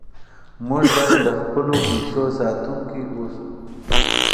موږ باید د خپلو پیسو ساتونکي اوسو.